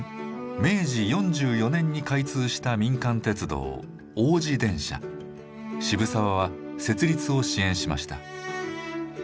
明治４４年に開通した民間鉄道渋沢は設立を支援しました。